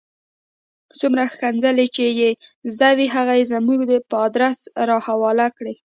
څومره ښکنځلې چې یې زده وې هغه یې زموږ په آدرس را حواله کړې.